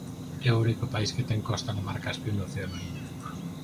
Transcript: É o único país que ten costa no Mar Caspio e no Océano Índico.